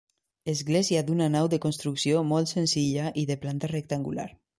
Església d'una nau de construcció molt senzilla i de planta rectangular.